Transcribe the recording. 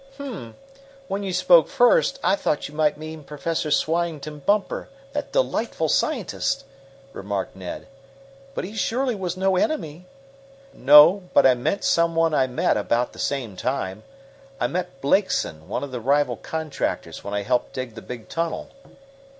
"Hum! When you spoke first, I thought you might mean Professor Swyington Bumper, that delightful scientist," remarked Ned. "But he surely was no enemy." "No; but I meant some one I met about the same time. I met Blakeson, one of the rival contractors when I helped dig the big tunnel."